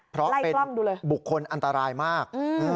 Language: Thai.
เพราะเป็นบุคคลอันตรายมาก